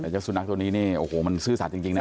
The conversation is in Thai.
เจ้าสุนัขตัวนี้นี่โอ้โหมันซื่อสัตว์จริงนะ